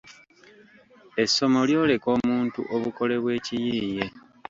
Essomo lyoleka omuntu obukole bw’ekiyiiye